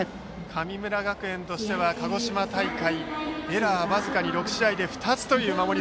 神村学園としては鹿児島大会エラー僅かに６試合で２つという守り。